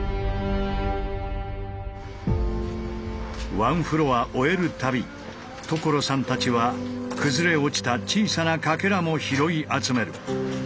ワンフロア終える度所さんたちは崩れ落ちた小さなかけらも拾い集める。